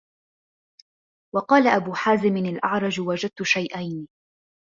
وَقَالَ أَبُو حَازِمٍ الْأَعْرَجُ وَجَدْتُ شَيْئَيْنِ